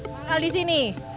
manggal di sini